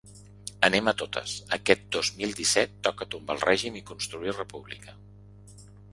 Anem a totes, aquest dos mil disset toca tombar el règim i construir república.